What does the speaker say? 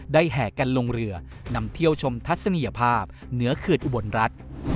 แห่กันลงเรือนำเที่ยวชมทัศนียภาพเหนือเขื่อนอุบลรัฐ